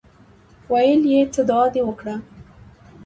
ویل یې څه دعا دې وکړه.